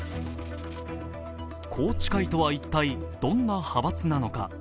宏池会とは一体どんな派閥なのか。